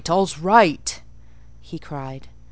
—all's right!" he cried.